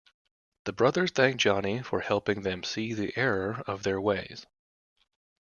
The brothers thank Johnny for helping them see the error of their ways.